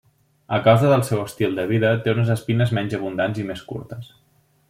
A causa del seu estil de vida, té unes espines menys abundants i més curtes.